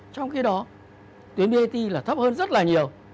trong khi đó tuyến brt là thấp hơn rất là nhiều